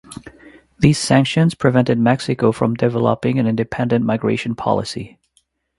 These sanctions prevented Mexico from developing an independent migration policy.